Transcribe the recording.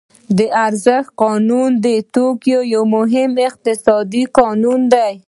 د ارزښت قانون د توکو یو مهم اقتصادي قانون دی